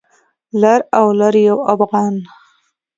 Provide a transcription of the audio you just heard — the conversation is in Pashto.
لر او لر یو افغان